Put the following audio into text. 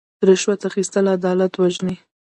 رشوت اخیستل عدالت وژني.